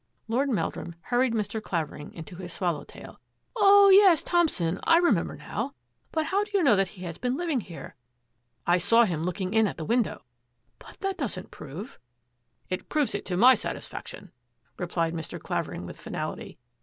Lord Meldrum hurried Mr. Clavering into his swallow tail. " Oh, yes, Thompson. I remember now. But how do you know that he has been living here? "" I saw him looking in at the window." " But that doesn't prove —"" It proves it to my satisfaction," replied Mr. Clavering with finality.